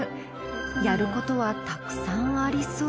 やることはたくさんありそう。